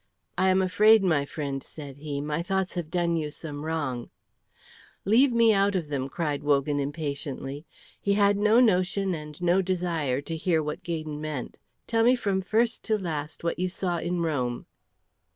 "I am afraid, my friend," said he, "my thoughts have done you some wrong " "Leave me out of them," cried Wogan, impatiently. He had no notion and no desire to hear what Gaydon meant. "Tell me from first to last what you saw in Rome."